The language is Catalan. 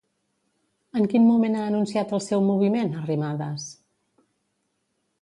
En quin moment ha anunciat el seu moviment, Arrimadas?